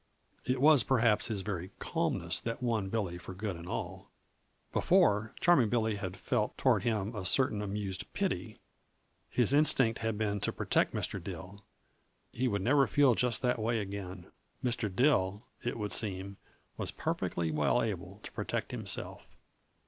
It was, perhaps, his very calmness that won Billy for good and all. Before, Charming Billy had felt toward him a certain amused pity; his instinct had been to protect Mr. Dill. He would never feel just that way again; Mr. Dill, it would seem, was perfectly well able to protect himself.